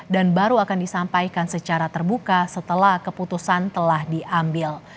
dan baru akan disampaikan secara terbuka setelah keputusan telah diambil